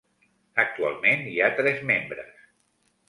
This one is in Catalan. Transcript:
Actualment hi ha tres membres.